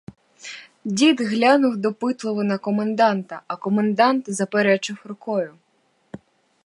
Дід глянув допитливо на коменданта, а комендант заперечив рукою.